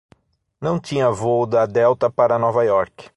Não tinha voo da Delta pra Nova Iorque.